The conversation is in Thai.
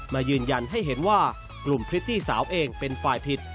มายืนยันให้เห็นว่ากลุ่มพริตตี้สาวเองเป็นฝ่ายผิด